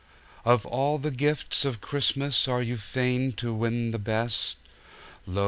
Of all the gifts of Christmas, are you fain to win the best? Lo!